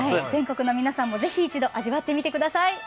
全国の皆さんも是非一度味わってみてください！